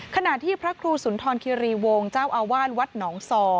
ขณะที่พระครูสุนทรคิรีวงศ์เจ้าอาวาสวัดหนองซอ